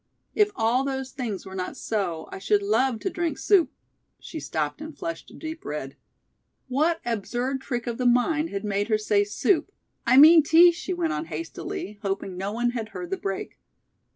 "If all those things were not so, I should love to drink soup " she stopped and flushed a deep red. What absurd trick of the mind had made her say "soup"? "I mean tea," she went on hastily, hoping no one had heard the break.